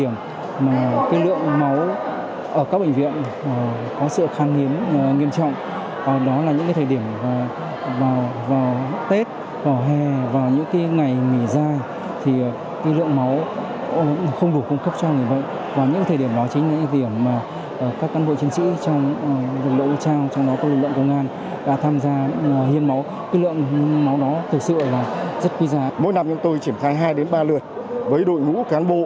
mỗi năm chúng tôi chuyển khai hai ba lượt với đội ngũ cán bộ